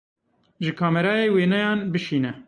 Ji kamerayê wêneyan bişîne.